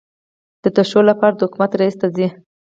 د توشیح لپاره د حکومت رئیس ته ځي.